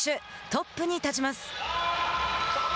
トップに立ちます。